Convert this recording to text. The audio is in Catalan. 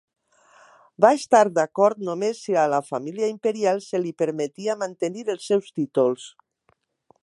Va estar d'acord només si a la família imperial se li permetia mantenir els seus títols.